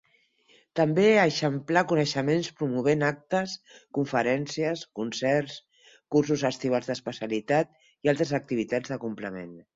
També eixamplà coneixements promovent actes, conferències, concerts, cursos estivals d'especialitat i altres activitats de complement.